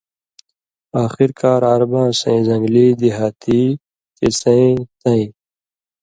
آخرکار عرباں سَئیں زنٚگلی دیہاتی چِہ سَئیں تَئیں